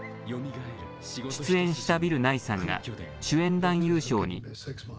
出演したビル・ナイさんが、主演男優賞に。